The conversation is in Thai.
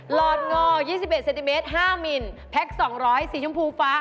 หลอดงอ๒๑เซนติเมตร๕มิลแพ็ค๒๐๐สีชมพูฟ้า